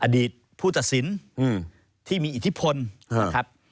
อดีตผู้ตัดสินที่มีอิทธิพลนะครับ